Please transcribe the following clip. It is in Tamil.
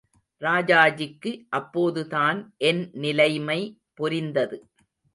ராஜாஜிக்கு அப்போதுதான் என் நிலைமை புரிந்தது.